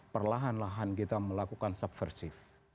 perlahan lahan kita melakukan subversif